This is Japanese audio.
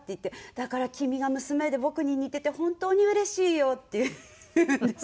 「だから君が娘で僕に似てて本当にうれしいよ」って言うんです。